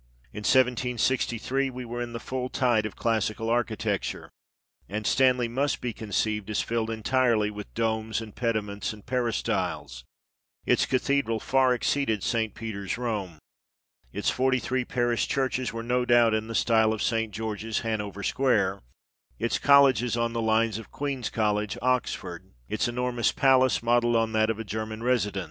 In 1763 we were in the full tide of classical architecture, and Stanley must be conceived as filled entirely with domes and pediments and peri styles ; its cathedral " far exceeded St. Peter's Rome," its forty three parish churches were no doubt in the style THE EDITOR'S PREFACE. xxiii of St. George's, Hanover Square, its colleges on the lines of Queen's College, Oxford, its enormous palace modelled on that of a German resident.